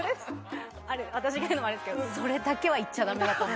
私が言うのもあれですけどそれだけは言っちゃだめだと思う。